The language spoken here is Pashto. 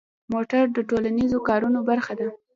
موټر د ټولنیزو کارونو برخه ده.